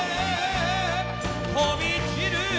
飛び散る